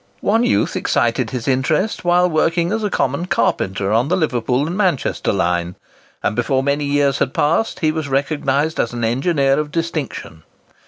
One youth excited his interest while working as a common carpenter on the Liverpool and Manchester line; and before many years had passed, he was recognised as an engineer of distinction.